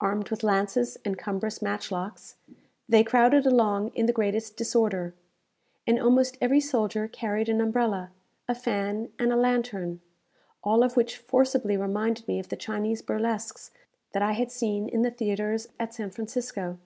Armed with lances and cumbrous matchlocks, they crowded along in the greatest disorder, and almost every soldier carried an umbrella, a fan, and a lantern; all of which forcibly reminded me of the Chinese burlesques that I had seen in the theatres at San Francisco.